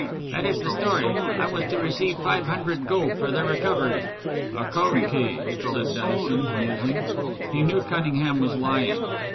"That is the story. I was to receive five hundred gold for their recovery." "A code key," said Dennison, musing. He knew Cunningham was lying.